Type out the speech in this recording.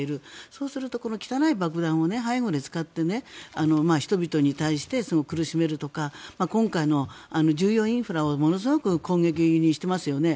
そうするとこの汚い爆弾を背後で使って人々に対して苦しめるとか今回、重要インフラをものすごく攻撃にしていますよね。